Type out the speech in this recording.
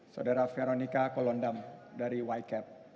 saudara veronica kolondam dari ycap